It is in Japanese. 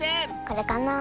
これかな？